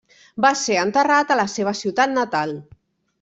Va ser enterrat a la seva ciutat natal.